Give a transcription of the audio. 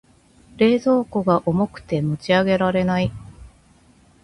冷蔵庫が重くて持ち上げられない。